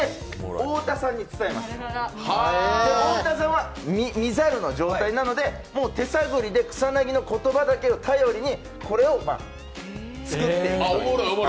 太田さんは、見ざるの状態なので、もう手さぐりで草薙の言葉だけを頼りに、これを作っていくという。